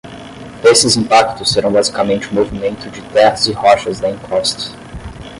Esses impactos serão basicamente o movimento de terras e rochas da encosta.